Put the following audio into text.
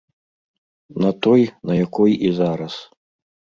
На той, на якой і зараз.